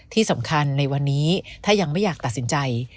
ที่สำคัญในวันนี้ถ้ายังไม่อยากตัดสินใจ